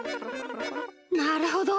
なるほど。